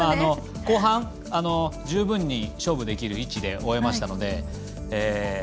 後半、十分に勝負できる位置で終えましたので。